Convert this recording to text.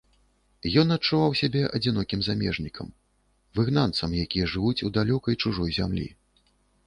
Ён адчуваў сябе адзінокім, замежнікам, выгнанцам, якія жывуць у далёкай чужой зямлі.